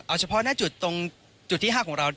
เอาเฉพาะหน้าจุดตรงจุดที่๕ของเรา